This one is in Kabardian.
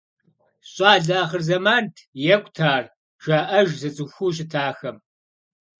«Щӏалэ ахъырзэмант, екӏут ар», – жаӏэж зыцӏыхуу щытахэм.